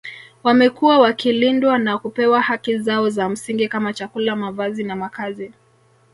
Wamekuwa wakilindwa na kupewa haki zao za msingi kama chakula mavazi na makazi